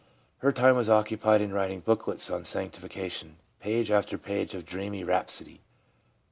Her time was occupied in writing booklets on sanctification — page after page of dreamy rhapsody.